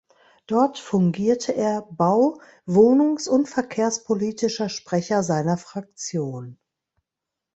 Dort fungierte er Bau-, Wohnungs- und Verkehrspolitischer Sprecher seiner Fraktion.